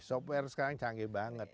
software sekarang canggih banget